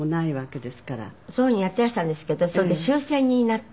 そういうふうにやっていらしたんですけどそれで終戦になった。